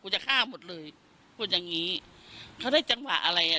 จะฆ่าหมดเลยพูดอย่างงี้เขาได้จังหวะอะไรอ่ะ